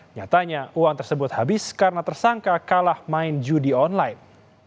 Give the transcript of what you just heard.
nyatanya uang tersebut habis karena tersangka kalah main judi online